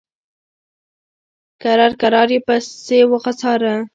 کرار کرار یې پسې څاره.